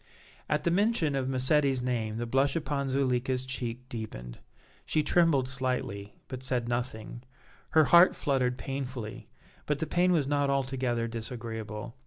At the mention of Massetti's name the blush upon Zuleika's cheek deepened. She trembled slightly, but said nothing; her heart fluttered painfully, but the pain was not altogether disagreeable.